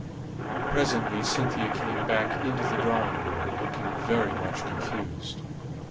Presently Cynthia came back into the drawing room, looking very much confused.